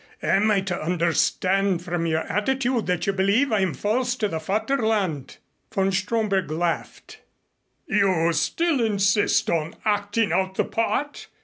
"Am I to understand from your attitude that you believe I am false to the Vaterland?" Von Stromberg laughed. "You still insist on acting out the part?"